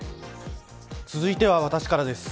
続いては私からです。